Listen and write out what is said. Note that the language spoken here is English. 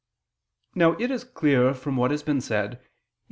Now it is clear from what has been said (Q.